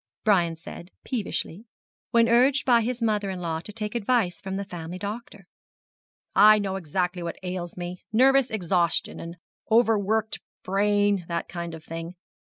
Brian said, peevishly, when urged by his mother in law to take advice from the family doctor. 'I know exactly what ails me nervous exhaustion, an over worked brain, and that kind of thing.